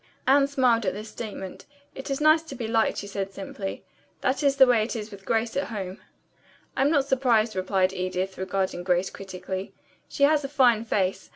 Anne smiled at this statement. "It is nice to be liked," she said simply. "That is the way it is with Grace at home." "I'm not surprised," replied Edith, regarding Grace critically. "She has a fine face.